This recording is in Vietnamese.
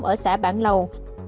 ở xã bản lầu